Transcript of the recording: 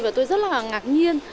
và tôi rất là ngạc nhiên